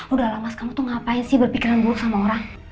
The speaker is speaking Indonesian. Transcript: udahlah mas kamu tuh ngapain sih berpikiran buruk sama orang